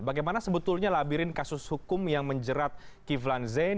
bagaimana sebetulnya labirin kasus hukum yang menjerat kiflan zain